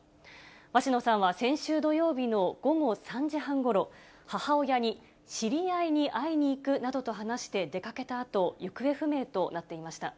鷲野さんは先週土曜日の午後３時半ごろ、母親に知り合いに会いに行くなどと話して出かけたあと、行方不明となっていました。